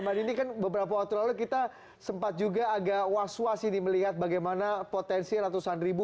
mbak dini kan beberapa waktu lalu kita sempat juga agak was was ini melihat bagaimana potensi ratusan ribu